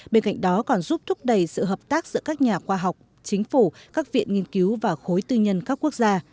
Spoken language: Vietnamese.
bên cạnh đó còn giúp thúc đẩy sự hợp tác giữa các nhà khoa học chính phủ các viện nghiên cứu và khối tư nhân các quốc gia